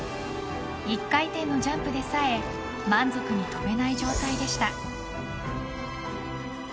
１回転のジャンプでさえ満足に跳べない状態でした。